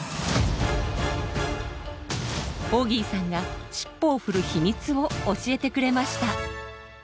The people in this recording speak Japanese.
オギーさんが尻尾を振る秘密を教えてくれました。